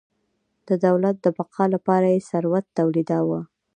د دولت د بقا لپاره یې ثروت تولیداوه.